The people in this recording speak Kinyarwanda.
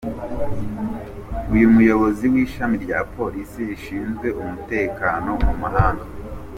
Umuyobozi w’Ishami rya Polisi rishinzwe umutekano mu muhanda.